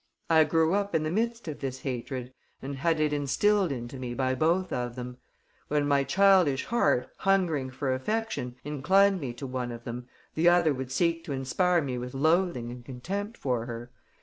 I grew up in the midst of this hatred and had it instilled into me by both of them. When my childish heart, hungering for affection, inclined me to one of them, the other would seek to inspire me with loathing and contempt for her.